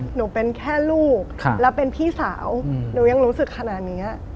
หนูเป็นแค่ลูกและเป็นพี่สาวหนูยังรู้สึกขนาดนี้